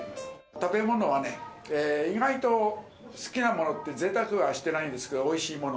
食べ物はね、意外と好きなものってぜいたくはしてないんですけど、おいしいもの。